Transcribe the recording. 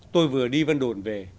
tôi vừa đi vân đồn về